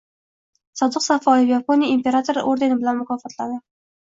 Sodiq Safoyev Yaponiya imperatori ordeni bilan mukofotlanding